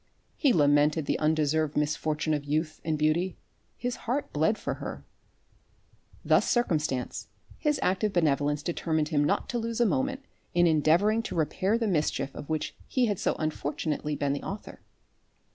He lamented the undeserved misfortune of youth and beauty. His heart bled for her. Thus circumstanced, his active benevolence determined him not to lose a moment, in endeavouring to repair the mischief of which he had so unfortunately been the author.